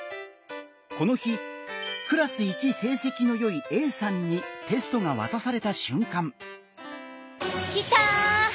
この日クラス一成績のよいＡさんにテストが渡された瞬間。